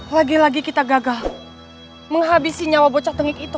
lagi lagi kita gagah menghabisi nyawa bocah tengik itu